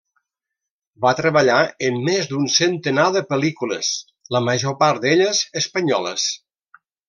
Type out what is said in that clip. Va treballar en més d'un centenar de pel·lícules, la major part d'elles espanyoles.